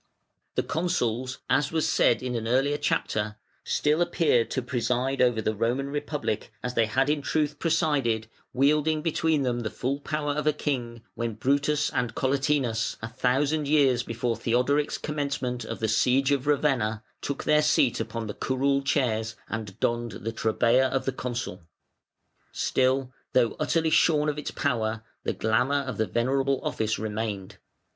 The Consuls, as was said in an earlier chapter, still appeared to preside over the Roman Republic, as they had in truth presided, wielding between them the full power of a king, when Brutus and Collatinus, a thousand years before Theodoric's commencement of the siege of Ravenna, took their seat upon the curule chairs, and donned the trabea of the Consul. Still, though utterly shorn of its power, the glamour of the venerable office remained.